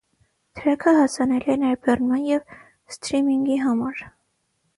Թրեքը հասանելի է ներբեռնման և ստրիմինգի համար։